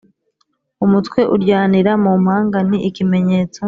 umutwe uryanira mumpanga ni ikimenyetso